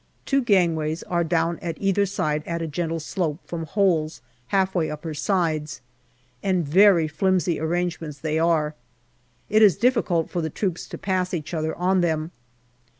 Two gangways are down at either side at a gentle slope from holes half way up her sides, and very flimsy arrangements they are. It is difficult for the troops to pass each other on them.